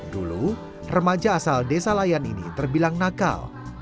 dulu remaja asal desa layan ini terbilang nakal